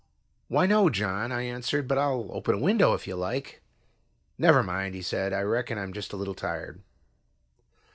"Why, no, John," I answered, "but I'll open a window if you like." "Never mind," he said. "I reckon I'm just a little tired."